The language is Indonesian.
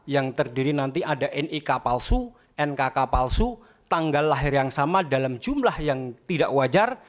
yang terdiri nanti ada nik palsu nkk palsu tanggal lahir yang sama dalam jumlah yang tidak wajar